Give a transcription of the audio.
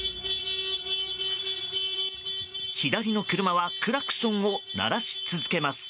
左の車はクラクションを鳴らし続けます。